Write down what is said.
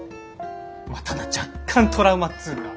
ただ若干トラウマっつうか。